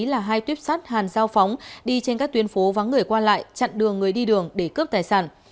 là hai tuyếp sắt hàn giao phóng đi trên các tuyến phố vắng người qua lại chặn đường người đi đường để cướp tài sản